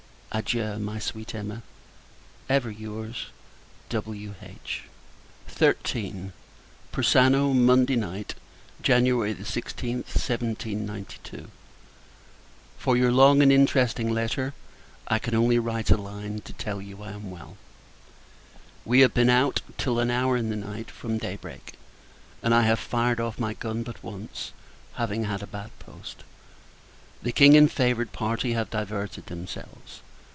Adieu, my sweet Emma! Ever your's, W.H. XIII. Persano, Monday Night, [Jan. 16th, 1792.] For your long and interesting letter, I can only write a line, to tell you I am well. We have been out, till an hour in the night, from day break; and I have fired off my gun but once, having had a bad post. The King, and favoured party, have diverted themselves.